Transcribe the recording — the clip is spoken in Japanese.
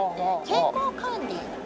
健康管理？